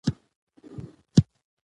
په يوه دره کښې په کمين ورته کښېناستو.